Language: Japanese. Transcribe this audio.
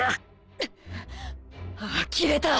あきれた。